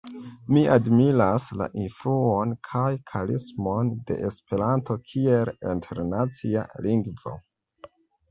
Mi admiras la influon kaj karismon de Esperanto kiel internacia lingvo.